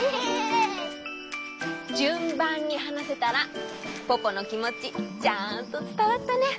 じゅんばんにはなせたらポポのきもちちゃんとつたわったね！